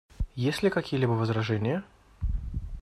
Есть ли какие-либо возражения?